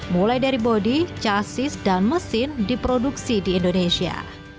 mulai dari bodi casis dan mesin diproduksi di indonesia